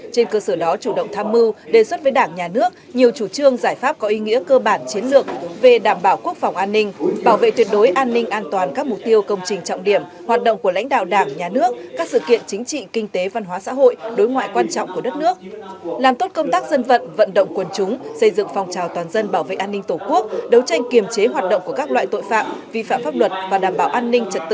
trên cơ sở đó chủ động tham mưu đề xuất với đảng nhà nước nhiều chủ trương giải pháp có ý nghĩa cơ bản chiến lược về đảm bảo quốc phòng an ninh bảo vệ tuyệt đối an ninh an toàn các mục tiêu công trình trọng điểm hoạt động của lãnh đạo đảng nhà nước các sự kiện chính trị kinh tế văn hóa xã hội đối ngoại quan trọng của đất nước làm tốt công tác dân vận vận động quân chúng xây dựng phòng trào toàn dân bảo vệ an ninh tổ quốc đấu tranh kiềm chế hoạt động của các loại tội phạm vi phạm pháp luật và đả